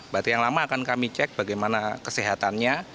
batik yang lama akan kami cek bagaimana kesehatannya